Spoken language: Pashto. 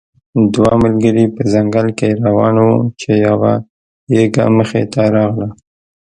دوه ملګري په ځنګل کې روان وو چې یو یږه مخې ته راغله.